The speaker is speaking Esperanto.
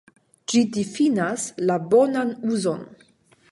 Ĝi difinas la "bonan uzon".